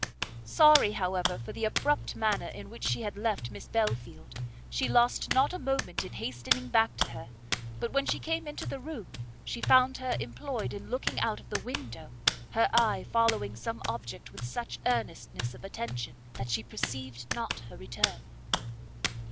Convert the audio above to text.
Sorry, however, for the abrupt manner in which she had left Miss Belfield, she lost not a moment in hastening back to her; but when she came into the room, she found her employed in looking out of the window, her eye following some object with such earnestness of attention, that she perceived not her return.